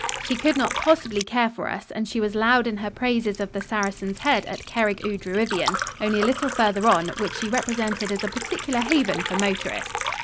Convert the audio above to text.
She could not possibly care for us and she was loud in her praises of the Saracen's Head at Cerrig y Druidion, only a little farther on, which she represented as a particular haven for motorists.